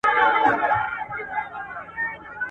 د سولي هڅي باید په نړیواله کچه همږغې سي.